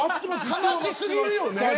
悲し過ぎるよね。